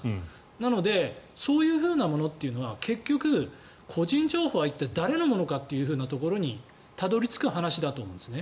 なのでそういうふうなものというのは結局、個人情報は誰のものかというところにたどり着く話だと思います。